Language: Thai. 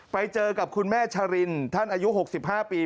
ไปเจอกับคุณแม่ชรินท่านอายุ๖๕ปี